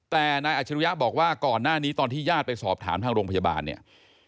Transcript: แต่นายอัจฉริยะบอกว่าก่อนหน้านี้ตอนที่ญาติไปสอบถามทางโรงพยาบาลเนี่ย